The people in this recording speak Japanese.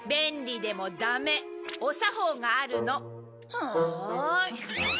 はい。